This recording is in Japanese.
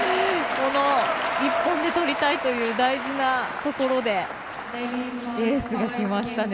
この１本でとりたいという大事なところでエースがきましたね